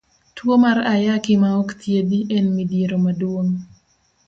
Tuo mar Ayaki ma ok thiedhi en midhiero maduong'.